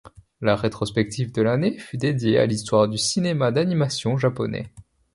La rétrospective de l'année fut dédiée à l’histoire du cinéma d’animation japonais.